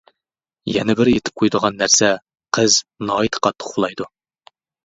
يەنە بىر ئېيتىپ قويىدىغان نەرسە، قىز ناھايىتى قاتتىق ئۇخلايدۇ.